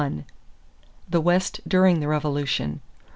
=The West during the Revolution.